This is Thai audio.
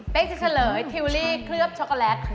เป๊ะจะฉะละให้ธิวลี่เคลือบช็อกโกแลต